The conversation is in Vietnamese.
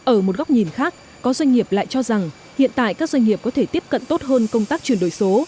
ở một góc nhìn khác có doanh nghiệp lại cho rằng hiện tại các doanh nghiệp có thể tiếp cận tốt hơn công tác chuyển đổi số